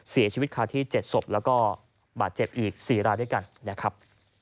เสียชีวิตคาที่๗ศพแล้วก็บาดเจ็บอีก๔รายด้วยกันนะครับ